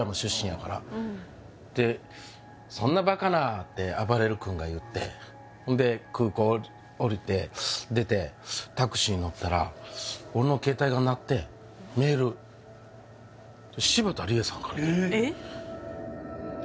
やからで「そんなバカな」ってあばれる君が言ってほんで空港降りて出てタクシーに乗ったら俺の携帯が鳴ってメールえっ？